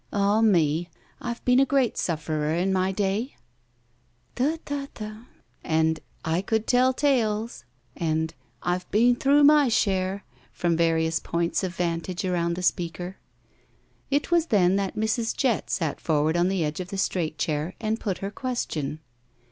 Ah me! I've been a great sufferer in my day." 190 GUILTY ''Thu, thu, thu," and, "I could tell tales," and, "I've been through my share" — ^from various points of vantage around the speaker. It was then that Mrs. Jett sat forward on the edge ' of the straight chair, and put her question.